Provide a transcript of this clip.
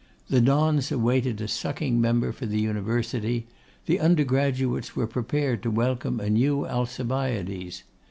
The dons awaited a sucking member for the University, the undergraduates were prepared to welcome a new Alcibiades.